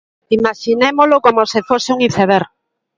Imaxinémolo como se fose un iceberg.